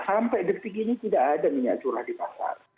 sampai detik ini tidak ada minyak curah di pasar